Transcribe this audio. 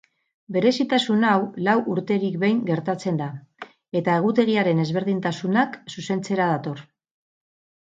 Berezitasun hau lau urterik behin gertatzen da, eta egutegiaren ezberdintasunak zuzentzera dator.